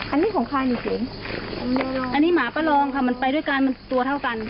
อันนี้ของใครจริงอันนี้หมาประลองค่ะมันไปด้วยกันมันตัวเท่ากัน